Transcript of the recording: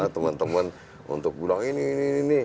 teman teman untuk bulan ini